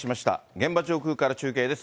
現場上空から中継です。